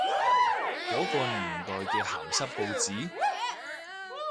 嗰個年代嘅鹹濕報紙？